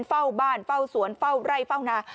เฝ้าบ้านเฝ้าสวนเฝ้าไร่เฝ้านา